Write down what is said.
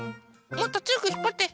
もっとつよくひっぱって。